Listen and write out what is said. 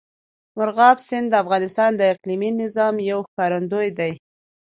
مورغاب سیند د افغانستان د اقلیمي نظام یو ښکارندوی دی.